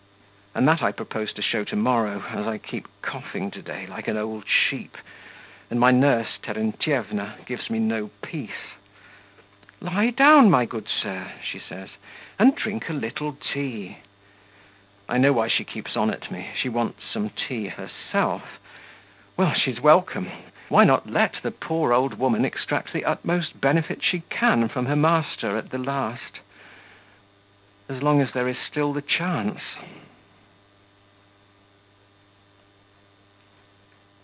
And that I propose to show to morrow, as I keep coughing to day like an old sheep, and my nurse, Terentyevna, gives me no peace: 'Lie down, my good sir,' she says, 'and drink a little tea.'... I know why she keeps on at me: she wants some tea herself. Well! she's welcome! Why not let the poor old woman extract the utmost benefit she can from her master at the last ... as long as there is still the chance?